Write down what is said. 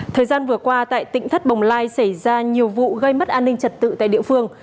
thời gian vừa qua tại tỉnh thất bồng lai xảy ra nhiều vụ gây mất an ninh trật tự tại địa phương